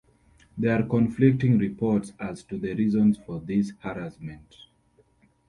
There are conflicting reports as to the reason of this harassment.